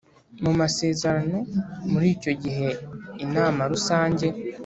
mu masezerano Muri icyo gihe Inama rusange